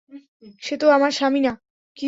সে তো আমার স্বামী না!